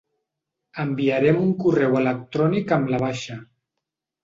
Enviarem un correu electrònic amb la baixa.